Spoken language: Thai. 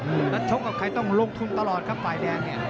แล้วชกกับใครต้องลงทุนตลอดครับฝ่ายแดงเนี่ย